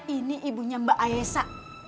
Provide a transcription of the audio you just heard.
ini ibunya mbak ayesa